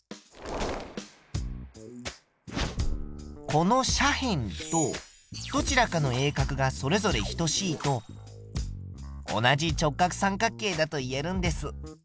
この斜辺とどちらかの鋭角がそれぞれ等しいと同じ直角三角形だと言えるんです。